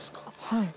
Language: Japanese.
はい。